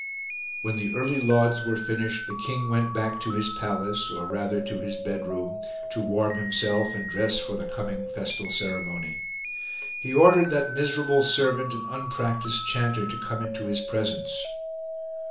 When the early lauds were finished, the king went back to his palace, or rather to his bedroom, to warm himself and dress for the coming festal ceremony. He ordered that miserable servant and unpractised chanter to come into his presence.